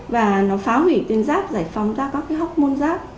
và nó phá hủy tuyến giáp giải phóng ra các hốc môn giáp